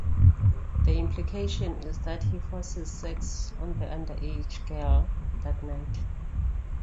The implication is that he forces sex on the underage girl that night.